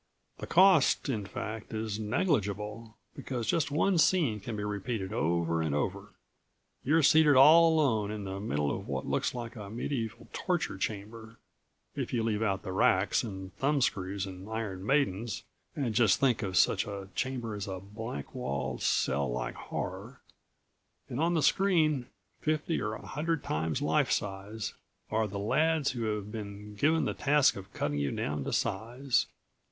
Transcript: The cost, in fact, is negligible, because just one scene can be repeated over and over. You're seated all alone in the middle of what looks like a medieval torture chamber if you leave out the racks and thumbscrews and iron maidens and just think of such a chamber as a blank walled, cell like horror and on the screen, fifty or a hundred times lifesize, are the lads who have been given the task of cutting you down to size.